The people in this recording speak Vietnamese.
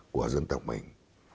của dân tộc mình